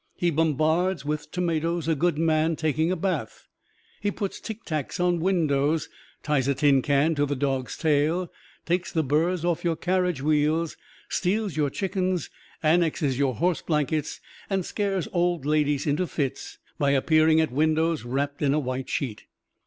He bombards with tomatoes a good man taking a bath, puts ticktacks on windows, ties a tin can to the dog's tail, takes the burs off your carriage wheels, steals your chickens, annexes your horse blankets, and scares old ladies into fits by appearing at windows wrapped in a white sheet.